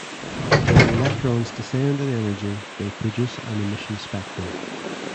When electrons descend in energy they produce an emission spectrum.